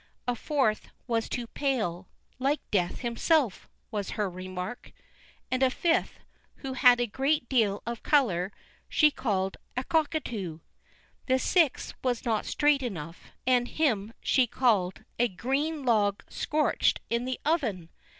A fourth was too pale. "Like Death himself," was her remark, and a fifth, who had a great deal of color, she called "a cockatoo." The sixth was not straight enough, and him she called "a green log scorched in the oven!"